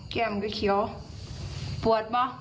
แก้มก็เขียวปวดป่ะ